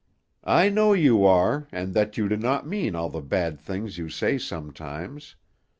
"I know you are, and that you do not mean all the bad things you say sometimes.